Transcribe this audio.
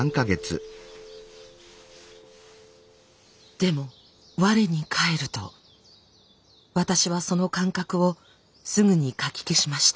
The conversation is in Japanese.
でも我に返ると私はその感覚をすぐにかき消しました。